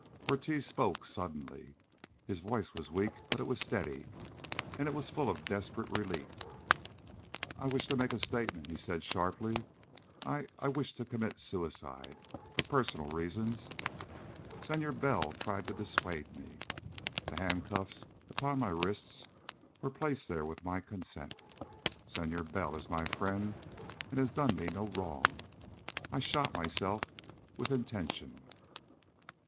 Ortiz spoke suddenly. His voice was weak, but it was steady, and it was full of a desperate relief. "I wish to make a statement," he said sharply. "I I wished to commit suicide for personal reasons. Senor Bell tried to dissuade me. The handcuffs upon my wrists were placed there with my consent. Senor Bell is my friend and has done me no wrong. I shot myself, with intention."